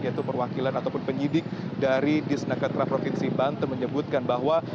yaitu perwakilan ataupun penyidik dari disneketra provinsi banteng menyebutkan bahwa